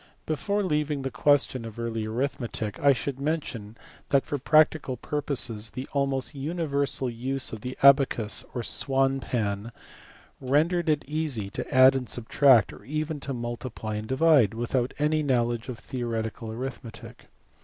Before leaving the question of early arithmetic I should mention that for practical purposes the almost universal use of the abacus or swan pan rendered it easy to add and subtract, or even to multiply and divide, without any know ledge of theoretical arithmetic.